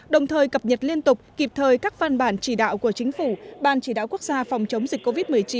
đồng thời cập nhật liên tục kịp thời các văn bản chỉ đạo của chính phủ ban chỉ đạo quốc gia phòng chống dịch covid một mươi chín